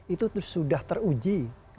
itu sudah teruji